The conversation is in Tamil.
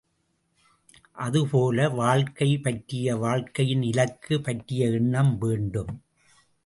அதுபோல வாழக்கை பற்றிய வாழ்க்கையின் இலக்கு பற்றிய எண்ணம் வேண்டும்.